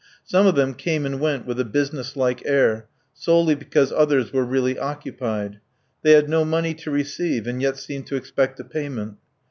Some of them came and went with a business like air, solely because others were really occupied. They had no money to receive, and yet seemed to expect a payment.